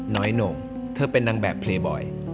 น้อยหน่งเธอเป็นนางแบบเพลย์บ่อย